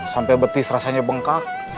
sampai betis rasanya bengkak